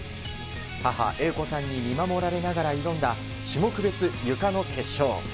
母・英子さんに見守られながら挑んだ、種目別ゆかの決勝。